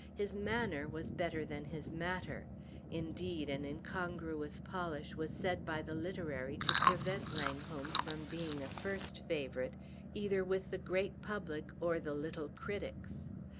His manner was better than his matter; indeed, an incongruous polish was said by the literary to prevent Langholm from being a first favorite either with the great public or the little critics.